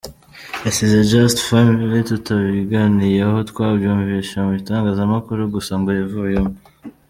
yasize Just Family tutabiganiyeho, twabyumvishe mu itangazamakuru gusa ngo yavuyemo.